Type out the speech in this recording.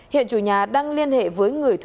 hiện chủ nhà đang liên hệ với người thuê